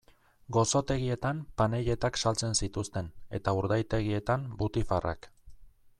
Gozotegietan panelletak saltzen zituzten eta urdaitegietan butifarrak.